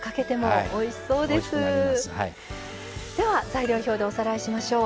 材料表でおさらいしましょう。